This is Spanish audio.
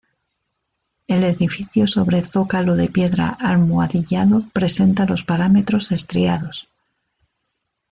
El edificio sobre zócalo de piedra almohadillado presenta los paramentos estriados.